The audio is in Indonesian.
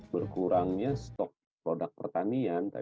berkurangnya stok produk pertanian